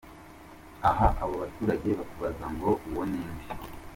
Aha abo baturage bakubaza ngo uwo ninde ???